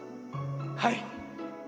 はい！